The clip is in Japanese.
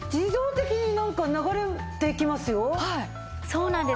そうなんです。